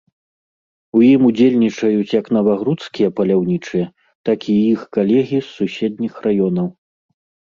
У ім удзельнічаюць як навагрудскія паляўнічыя, так і іх калегі з суседніх раёнаў.